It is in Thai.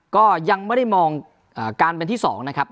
ก็ยังไม่ได้มองการเป็นที่๒นะครับ